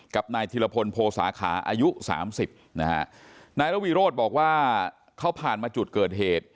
กับนายธิรพลโพสาขาอายุสามสิบนะฮะนายระวิโรธบอกว่าเขาผ่านมาจุดเกิดเหตุ